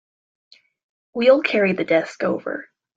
We'll carry the desk over.